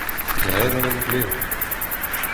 Graet an emglev !